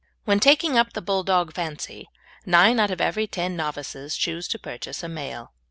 When taking up the Bulldog fancy, nine out of every ten novices choose to purchase a male.